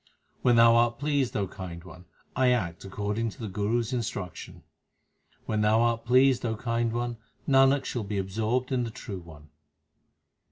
When Thou art pleased, O Kind One, I act according to the Guru s instruction. When Thou art pleased, O Kind One, Nanak shall be absorbed in the True One.